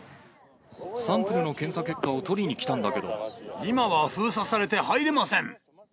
サンプルの検査結果を取りに今は封鎖されて入れません。